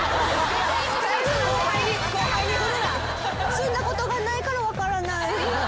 住んだことがないから分からない。